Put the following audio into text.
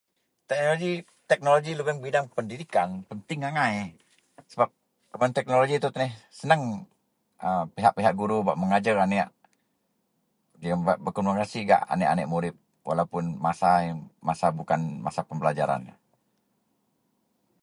Teknoloji, teknoloji lubeang bidang pendidikan penting angai sebab kuman teknoloji itou tuneh seneng a pihak-pihak guru bak mengajer aneak jegem bak berkomunikasi gak aneak-aneak murip walaupun masa, masa bukan, bukan masa pembelajaran.